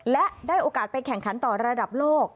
และได้โอกาสไปแข่งขันต่อระดับโลก